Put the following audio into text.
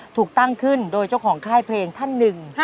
ถูกตั้งขึ้นโดยเจ้าของค่ายเพลงท่านหนึ่ง